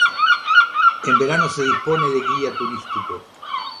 En verano se dispone de guía turístico.